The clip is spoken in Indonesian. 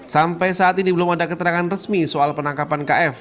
sampai saat ini belum ada keterangan resmi soal penangkapan kf